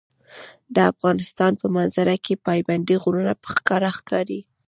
د افغانستان په منظره کې پابندي غرونه په ښکاره ښکاري.